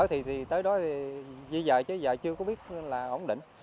thì tới đó thì di dời chứ giờ chưa có biết là ổn định